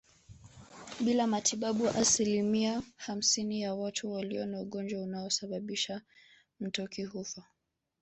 Bila matibabu asilimia hamsini ya watu walio na ugonjwa unaosababisha mtoki hufa